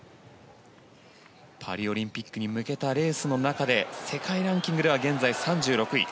パリオリンピックに向けたレースの中で世界ランキングでは現在３６位。